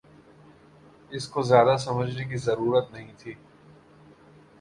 اس کو زیادہ سمجھنے کی ضرورت نہیں تھی